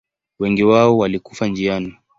Wengi wao walikufa njiani.